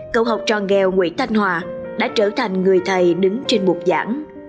câu học trò nghèo nguyễn thanh hòa đã trở thành người thầy đứng trên buộc giảng